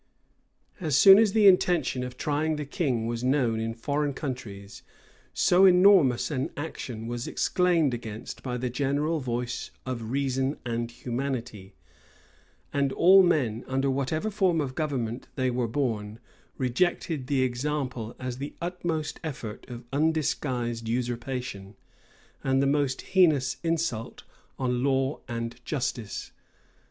[*] As soon as the intention of trying the king was known in foreign countries, so enormous an action was exclaimed against by the general voice of reason and humanity; and all men, under whatever form of government they were born, rejected the example, as the utmost effort of undisguised usurpation, and the most heinous insult on law and justice.